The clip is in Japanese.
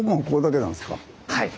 はい。